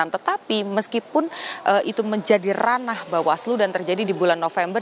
tetapi meskipun itu menjadi ranah bawaslu dan terjadi di bulan november